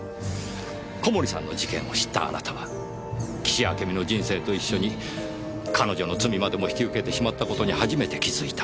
小森さんの事件を知ったあなたは岸あけみの人生と一緒に彼女の罪までも引き受けてしまった事に初めて気付いた。